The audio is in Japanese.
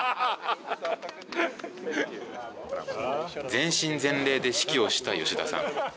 全身全霊で指揮をした吉田さん。